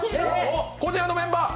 こちらのメンバー！